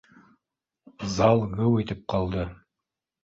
Зал геү итеп ҡалды